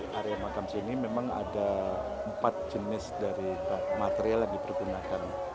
area makam sini memang ada empat jenis dari material yang dipergunakan